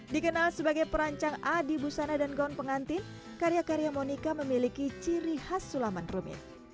dikenal sebagai perancang adi busana dan gaun pengantin karya karya monica memiliki ciri khas sulaman rumit